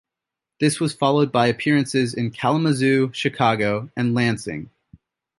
This was followed by appearances in Kalamazoo, Chicago, and Lansing.